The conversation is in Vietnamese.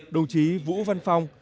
đồng chí vũ văn phong